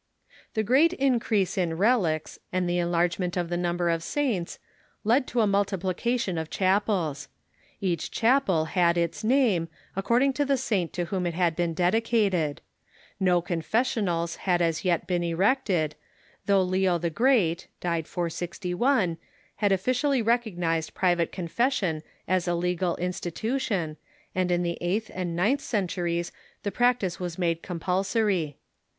The great increase in relics, and the enlargement of the num ber of saints, led to a multiplication of chapels. Each chapel had its name, according to the saint to whom it had been dedicated. No confessionals had as yet been erected, though Leo the Great (died 461) had officially recog nized private confession as a legal institution, and in the eighth and ninth centuries the practice was made compulsory.